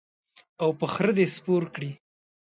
او په خره دې سپور کړي.